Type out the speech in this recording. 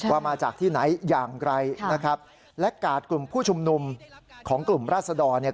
ว่ามาจากที่ไหนอย่างไรนะครับและกาดกลุ่มผู้ชุมนุมของกลุ่มราศดรเนี่ย